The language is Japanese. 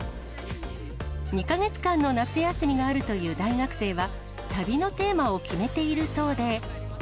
２か月間の夏休みがあるという大学生は、旅のテーマを決めているそうで。